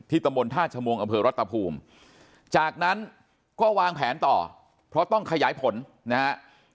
ตำบลท่าชมวงอำเภอรัฐภูมิจากนั้นก็วางแผนต่อเพราะต้องขยายผลนะครับ